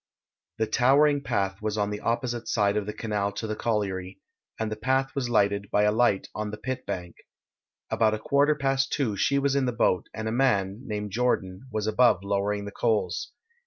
The towering path was on the opposite side of the canal to the colliery, and the path was lighted by a light on the pit bank. About a quarter past two she was in the boat, and a man, named Jordan, was above lowering the coals.